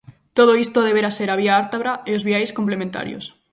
Todo isto debera ser a vía Ártabra e os viais complementarios.